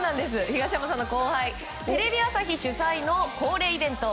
東山さんの後輩テレビ朝日主催の恒例イベント